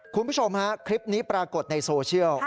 คุณผู้ชมฮะคลิปนี้ปรากฏในโซเชียล